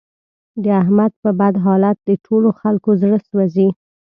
د احمد په بد حالت د ټول خکلو زړه سوځي.